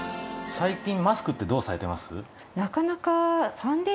最近マスクってどうされてます？